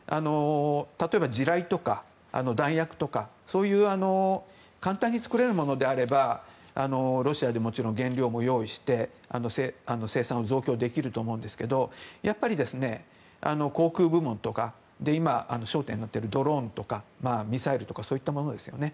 例えば地雷とか弾薬とかそういう簡単に作れるものであればロシアでもちろん原料も用意して生産を増強できると思うんですがやっぱり航空部門とかで今、焦点になっているドローンとかミサイルとかそういったものですよね。